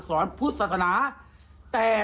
สายลูกไว้อย่าใส่